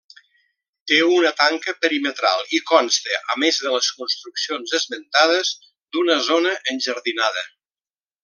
Té una tanca perimetral i consta, a més de les construccions esmentades, d'una zona enjardinada.